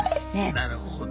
なるほど。